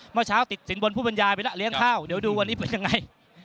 เมื่อเช้าติดสินบนผู้บรรยายไปแล้วเลี้ยงข้าวเดี๋ยวดูวันนี้เป็นยังไง